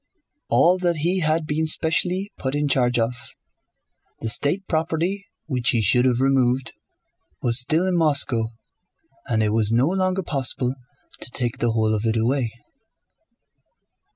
All that he had been specially put in charge of, the state property which he should have removed, was still in Moscow and it was no longer possible to take the whole of it away.